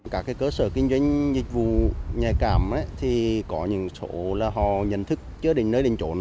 các cái cơ sở kinh doanh dịch vụ nhà cảm thì có những chỗ là họ nhận thức chứa đỉnh nơi đỉnh trốn